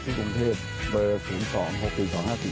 การเจอกับ๕ข้างทางนี้